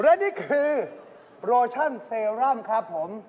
และนี่คือโรชั่นเซรั่มครับผม